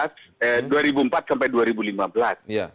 dua ribu empat sampai dua ribu lima belas